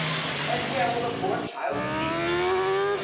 " And where will the poor child sleep